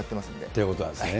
ということなんですね。